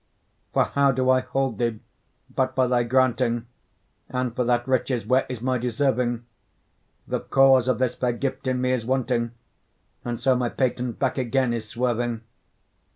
For how do I hold thee but by thy granting? And for that riches where is my deserving? The cause of this fair gift in me is wanting, And so my patent back again is swerving.